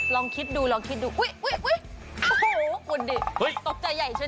ลองคิดดูอุ๊ยคุณดิตกใจใหญ่ใช่มั้ย